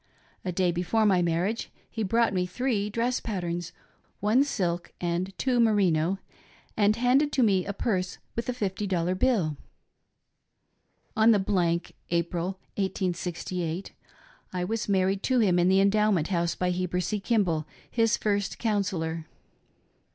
A day before my marriage he brought me three dress patterns— one silk and two merino — and handed to me a purse with a $y> bill. On the April, i86S, I was married to him in the Endowment House by Heber C. Kimball, his First Counsellor.